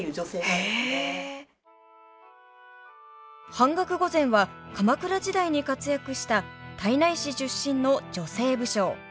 板額御前は鎌倉時代に活躍した胎内市出身の女性武将。